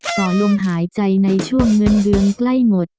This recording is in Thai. ต่อลมหายใจในช่วงเงินเดือนใกล้หมด